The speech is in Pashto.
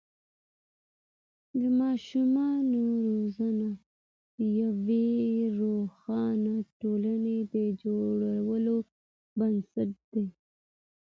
د ماشومانو روزنه د یوې روښانه ټولنې د جوړولو بنسټ دی.